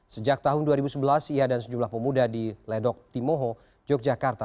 sejak tahun dua ribu sebelas ia dan sejumlah pemuda di ledok timoho yogyakarta